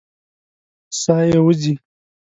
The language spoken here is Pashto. ساه یې وځي.